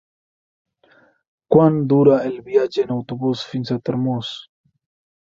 Quant dura el viatge en autobús fins a Tormos?